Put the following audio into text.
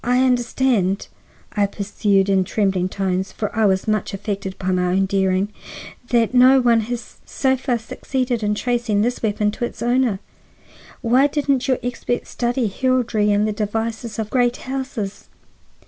"I understand," I pursued in trembling tones, for I was much affected by my own daring, "that no one has so far succeeded in tracing this weapon to its owner. Why didn't your experts study heraldry and the devices of great houses?